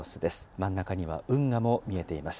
真ん中には運河も見えています。